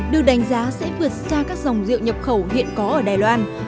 được đánh giá sẽ vượt xa các dòng rượu nhập khẩu hiện có ở đài loan